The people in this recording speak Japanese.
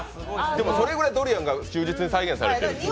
それぐらいドリアンが忠実に再現されているんですね。